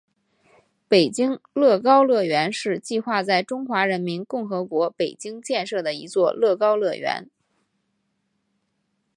北京乐高乐园是计划在中华人民共和国北京建设的一座乐高乐园。